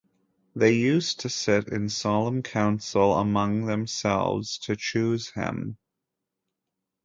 They used to sit in solemn council among themselves to choose him.